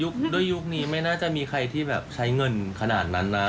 ด้วยยุคนี้ไม่น่าจะมีใครที่แบบใช้เงินขนาดนั้นนะ